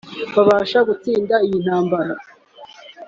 babashe gutsinda iyi ntambara